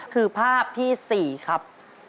คือภาพที่๔ครับ